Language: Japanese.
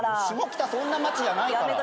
下北そんな街じゃないから。